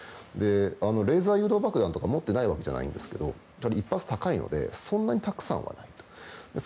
レーザー誘導爆弾とか持ってないわけじゃないんですけど１発が高いのでそんなにたくさんは。